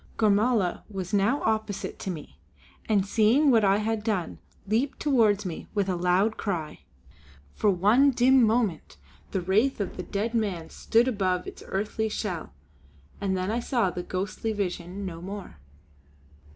Gormala was now opposite to me, and seeing what I had done leaped towards me with a loud cry. For one dim moment the wraith of the dead man stood above its earthly shell; and then I saw the ghostly vision no more.